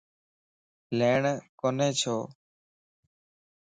ليڻ ڪوني ڇو؟